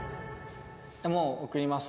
もう送ります。